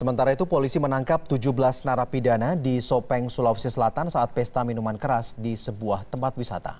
sementara itu polisi menangkap tujuh belas narapidana di sopeng sulawesi selatan saat pesta minuman keras di sebuah tempat wisata